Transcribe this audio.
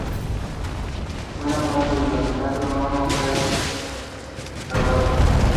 Buena parte del campamento no está excavado.